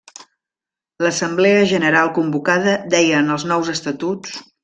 L'assemblea general convocada deia en els nous estatuts.